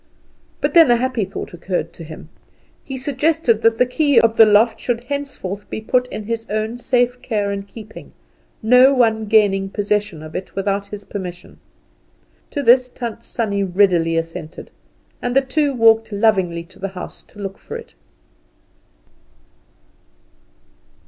But then a happy thought occurred to him. He suggested that the key of the loft should henceforth be put into his own safe care and keeping no one gaining possession of it without his permission. To this Tant Sannie readily assented, and the two walked lovingly to the house to look for it.